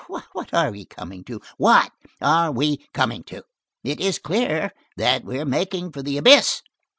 What are we coming to? What are we coming to? It is clear that we are making for the abyss.